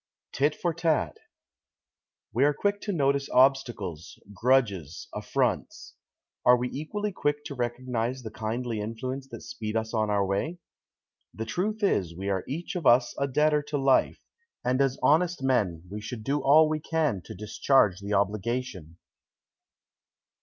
TIT FOR TAT We are quick to notice obstacles, grudges, affronts. Are we equally quick to recognize the kindly influences that speed us on our way? The truth is we are each of us a debtor to life, and as honest men we should do all we can to discharge the obligation.